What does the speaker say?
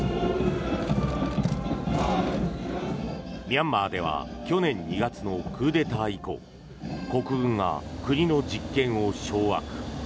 ミャンマーでは去年２月のクーデター以降国軍が国の実権を掌握。